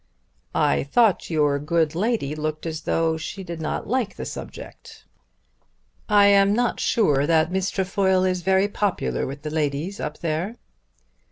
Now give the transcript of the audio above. "I thought your good lady looked as though she did not like the subject." "I am not sure that Miss Trefoil is very popular with the ladies up there."